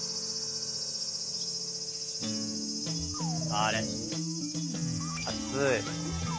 あれっ暑い。